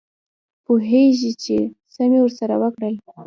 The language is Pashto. پوهېږې چې څه مې ورسره وکړل.